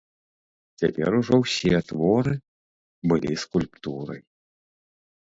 Цяпер ужо ўсе творы былі скульптурай.